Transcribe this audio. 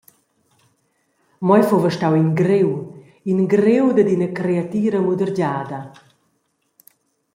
Mo ei fuva stau in griu, in griu dad ina creatira mudergiada.